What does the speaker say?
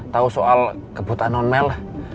tahu soal kebutuhan non mel